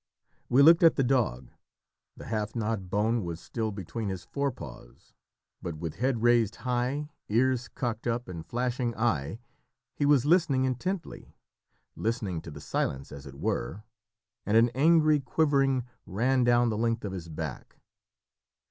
We looked at the dog. The half gnawed bone was still between his forepaws, but with head raised high, ears cocked up, and flashing eye, he was listening intently listening to the silence as it were, and an angry quivering ran down the length of his back.